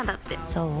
そう？